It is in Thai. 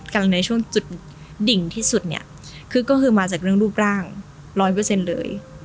ในช่วงจุดดิ่งที่สุดเนี่ยคือก็คือมาจากเรื่องรูปร่างร้อยเปอร์เซ็นต์เลย